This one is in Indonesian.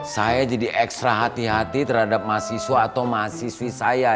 saya jadi ekstra hati hati terhadap mahasiswa atau mahasiswi saya